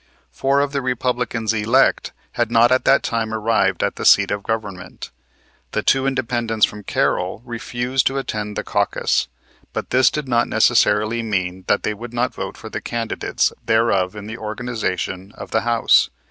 Four of the Republicans elect had not at that time arrived at the seat of government. The two Independents from Carroll refused to attend the caucus, but this did not necessarily mean that they would not vote for the candidates thereof in the organization of the House.